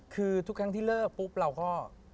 คือทุกครั้งที่เลิกปุ๊บเราก็